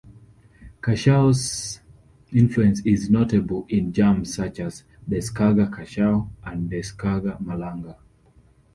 Cachao's influence is notable in jams such as "Descarga Cachao" and "Descarga Malanga".